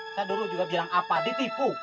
saya dulu juga bilang apa ditipu